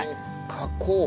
加工？